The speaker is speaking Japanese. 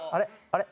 あれ？